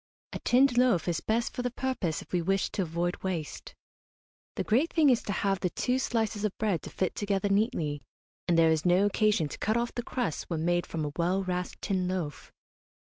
A tinned loaf is best for the purpose if we wish to avoid waste. The great thing is to have the two slices of bread to fit together neatly, and there is no occasion to cut off the crusts when made from a well rasped tin loaf.